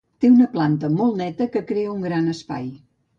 Té una planta molt neta que crea un gran espai.